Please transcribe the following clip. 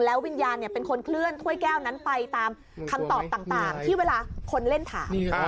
วิญญาณเป็นคนเคลื่อนถ้วยแก้วนั้นไปตามคำตอบต่างที่เวลาคนเล่นถาม